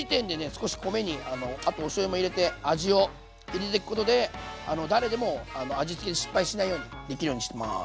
少し米にあとおしょうゆも入れて味を入れてくことで誰でも味付け失敗しないようにできるようにしてます。